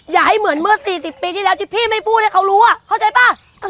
อย่าให้เหมือนเมื่อ๔๐ปีที่แล้วที่พี่ไม่พูดให้เขารู้เข้าใจป่ะ